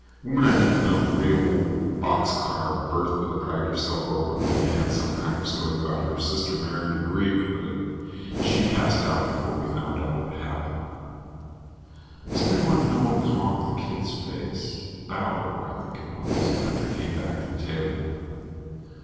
A woman I didn't know, a real old Boxcar Bertha, dragged herself over and began some kind of story about how her sister married a Greek, but she passed out before we found out what happened. Somebody wanted to know what was wrong with the kid's face Bauer, I think it was, after he came back to the table.